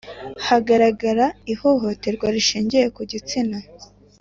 Hagaragaye ihohoterwa rishingiye ku gitsina.